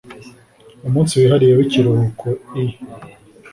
umunsi wihariye w’ikiruhukoi